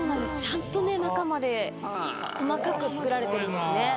ちゃんとね中まで細かく作られてるんですね。